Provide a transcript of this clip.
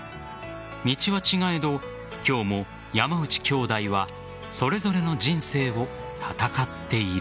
道は違えど、今日も山内兄弟はそれぞれの人生を戦っている。